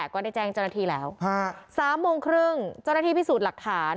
ก็ได้แจ้งเจ้าหน้าที่แล้ว๓โมงครึ่งเจ้าหน้าที่พิสูจน์หลักฐาน